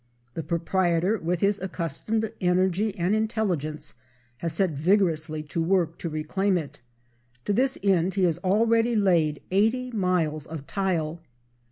The proprietor, with his accustomed energy and intelligence, has set vigorously to work to reclaim it. To this end he has already laid eighty miles of tile.